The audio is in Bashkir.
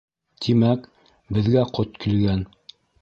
Тимәк, беҙгә ҡот килгән.